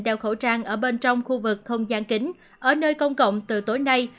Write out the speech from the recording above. đeo khẩu trang ở bên trong khu vực không gian kính ở nơi công cộng từ tối nay